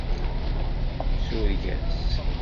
Sureg-as.